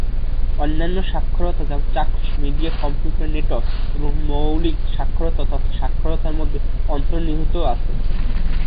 অন্যান্য সাক্ষরতা যেমন চাক্ষুষ, মিডিয়া, কম্পিউটার, নেটওয়ার্ক, এবং মৌলিক সাক্ষরতা তথ্য সাক্ষরতার মধ্যে অন্তর্নিহিত আছে।